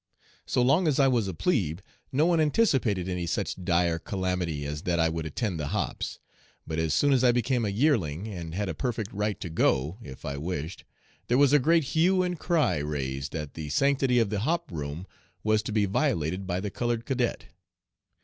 So long as I was a 'plebe,' no one anticipated any such dire calamity as that I would attend the 'hops,' but as soon as I became a 'yearling,' and had a perfect right to go, if I wished, there was a great hue and cry raised that the sanctity of the 'hop' room was to be violated by the colored cadet.